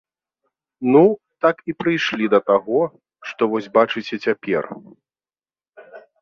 Ну, так і прыйшлі да таго, што вось бачыце цяпер.